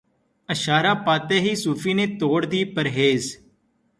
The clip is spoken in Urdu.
اشارہ پاتے ہی صوفی نے توڑ دی پرہیز